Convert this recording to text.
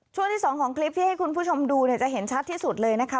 ช่วงที่สองของคลิปที่ให้คุณผู้ชมดูเนี่ยจะเห็นชัดที่สุดเลยนะคะ